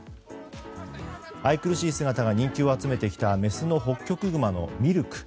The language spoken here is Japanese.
愛くるしい姿が人気を集めてきたメスのホッキョクグマのミルク。